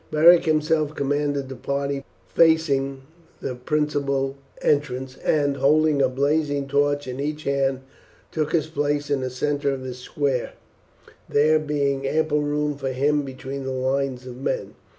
Beric himself commanded the party facing the principal entrance, and holding a blazing torch in each hand, took his place in the centre of the square, there being ample room for him between the lines of men.